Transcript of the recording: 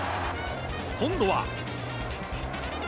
今度は。